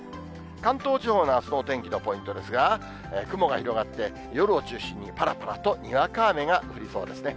関東地方のあすのお天気のポイントですが、雲が広がって、夜を中心にぱらぱらとにわか雨が降りそうですね。